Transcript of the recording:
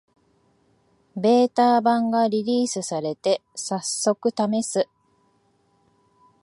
ベータ版がリリースされて、さっそくためす